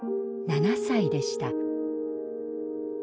７歳でした。